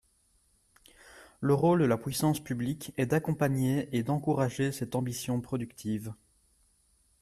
Le rôle de la puissance publique est d’accompagner et d’encourager cette ambition productive.